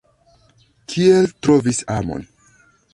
Kiel trovi amon?